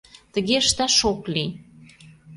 Тыге ышташ ок лий.